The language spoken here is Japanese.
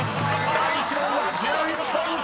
［第１問は１１ポイント！］